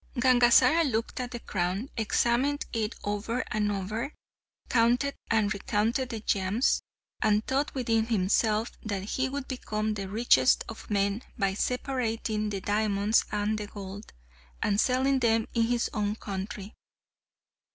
Gangazara looked at the crown, examined it over and over, counted and recounted the gems, and thought within himself that he would become the richest of men by separating the diamonds and gold, and selling them in his own country.